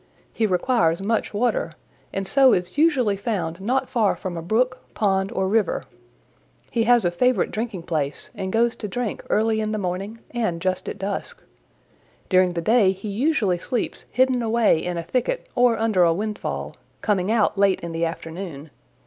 He requires much water and so is usually found not far from a brook, pond or river. He has a favorite drinking place and goes to drink early in the morning and just at dusk. During the day he usually sleeps hidden away in a thicket or under a windfall, coming out late in the afternoon.